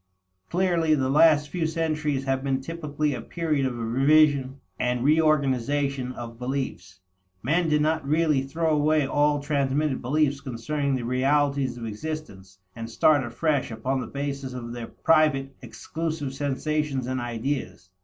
Clearly the last few centuries have been typically a period of revision and reorganization of beliefs. Men did not really throw away all transmitted beliefs concerning the realities of existence, and start afresh upon the basis of their private, exclusive sensations and ideas.